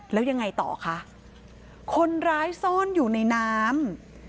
แล้วยังไงต่อคะคนร้ายซ่อนอยู่ในน้ำ